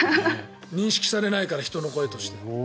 認識されないから人の声って。